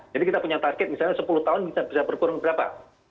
jadi kita punya target misalnya sepuluh tahun bisa berkurang berapa